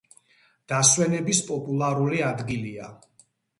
დასვენების პოპულარული ადგილია.